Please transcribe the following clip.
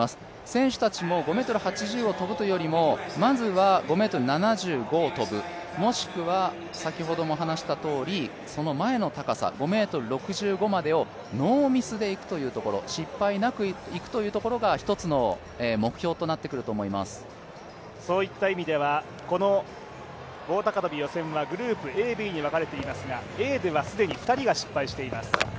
選手たちも５ｍ８０を跳ぶというよりもまずは５ｍ７５を跳ぶ、もしくはその前の高さ５ｍ６５までをノーミスでいく、失敗なくいくところが１つの目標となってくると思いますそういった意味では、この棒高跳予選はグループＡ、Ｂに分かれていますが、Ａでは既に２人が失敗しています。